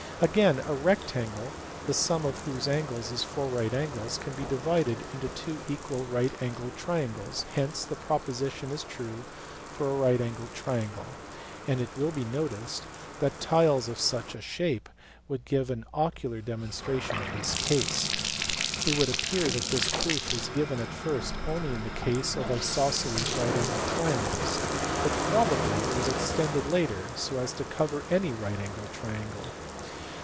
Again a rectangle (the sum of whose angles is four right angles) can be divided into two equal right angled triangles, hence the proposition is true for a right angled triangle : and it will be noticed that tiles of such a shape would give an THALES. 17 ocular demonstration of this case it would appear that this proof was given at first only in the case of isosceles right angled triangles, but probably it was extended later so as to cover any right angled triangle.